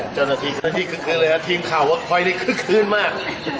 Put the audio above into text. เจ้าหน้าที่เจ้าหน้าที่ขึ้นขึ้นเลยครับทีมข่าวเวิร์ดคล้ายได้ขึ้นขึ้นมาก